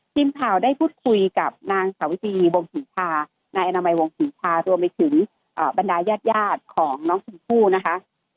จิ้มพราวได้พูดคุยกับนางสาววิธีวงศีรภานายอนามัยวงศีรภารวมไปถึงบรรดายาศยาติของน้องชมพู่นะคะ